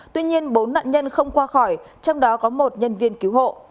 tuy nhiên bốn nạn nhân không qua khỏi trong đó có một nhân viên cứu hộ